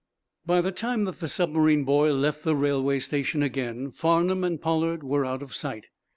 By the time that the submarine boy left the railway station again Farnum and Pollard were out of sight.